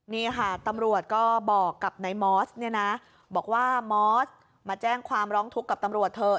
นี่ค่ะตำรวจก็บอกกับนายมอสเนี่ยนะบอกว่ามอสมาแจ้งความร้องทุกข์กับตำรวจเถอะ